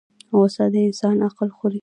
غصه د انسان عقل خوري